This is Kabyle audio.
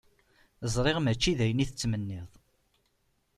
Ẓriɣ mačči d ayen i tettmenniḍ.